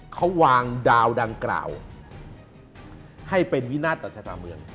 เขาวางดาวดังกล่าวให้เป็นวินาศต่อชะตาเมือง